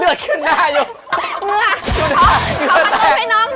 เลือดขึ้นหน้า